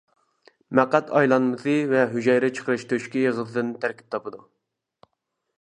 مەقئەت ئايلانمىسى ۋە ھۈجەيرە چىقىرىش تۆشۈكى ئېغىزىدىن تەركىب تاپىدۇ.